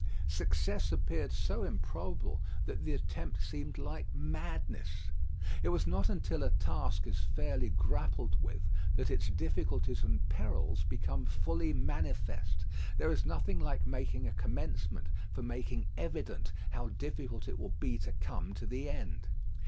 Success appeared so improbable that the attempt seemed like madness. It is not until a task is fairly grappled with that its difficulties and perils become fully manifest. There is nothing like making a commencement for making evident how difficult it will be to come to the end.